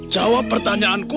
jawab pertanyaanku anak muda